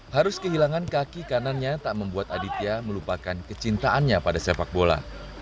harus kehilangan kaki kanannya tak membuat aditya melupakan kecintaannya pada sepak bola